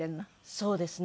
そうですね。